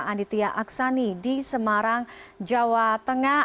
aditya aksani di semarang jawa tengah